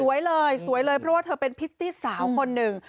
เลยสวยเลยเพราะว่าเธอเป็นพิตตี้สาวคนหนึ่ง